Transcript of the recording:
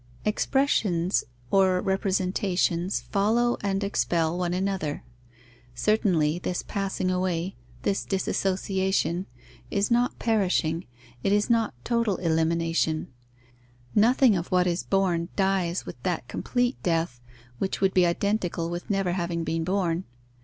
_ Expressions or representations follow and expel one another. Certainly, this passing away, this disassociation, is not perishing, it is not total elimination: nothing of what is born dies with that complete death which would be identical with never having been born.